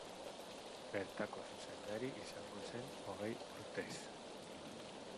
Bertako zuzendari izango zen hogei urtez.